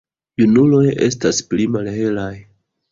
Junuloj estas pli malhelaj.